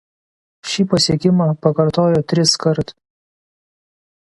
Šį pasiekimą pakartojo triskart.